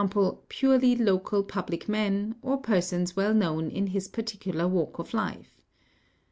purely local public men, or persons well known in his particular walk of life.